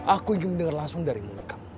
aku ingin mendengar langsung dari mulut kamu